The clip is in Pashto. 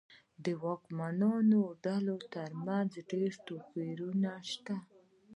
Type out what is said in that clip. د واکمنو ډلو ترمنځ ډېر توپیرونه شته.